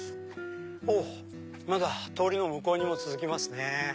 おっまだ通りの向こうにも続きますね。